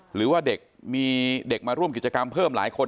หรือว่าเด็กมีเด็กมาร่วมกิจกรรมเพิ่มหลายคน